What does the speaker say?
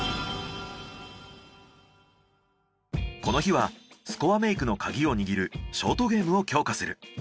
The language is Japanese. この日はスコアメイクのカギを握るショートゲームを強化する。